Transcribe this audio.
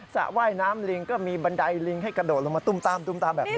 ระว่ายน้ำลิงก็มีบันไดลิงให้กระโดดลงมาตุ้มตามตุ้มตามแบบนี้